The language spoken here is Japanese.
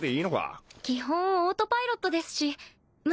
北根）基本オートパイロットですし爐靴